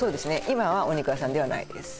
今はお肉屋さんではないです